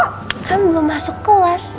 kan belum masuk kelas